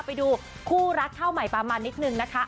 ไปดูคู่รักเท่าใหม่ประมาณนิดนึงนะคะ